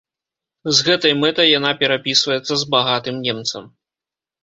З гэтай мэтай яна перапісваецца з багатым немцам.